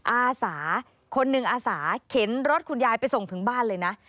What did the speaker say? อาสาคนหนึ่งอาสาเข็นรถคุณยายไปส่งถึงบ้านเลยนะ